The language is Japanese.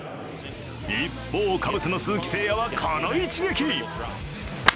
一方、カブスの鈴木誠也はこの一撃。